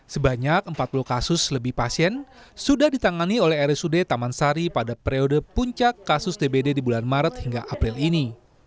sebanyak empat puluh kasus lebih pasien sudah ditangani oleh rsud taman sari pada periode puncak kasus dbd di bulan maret hingga april ini